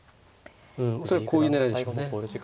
うん恐らくこういう狙いでしょうね。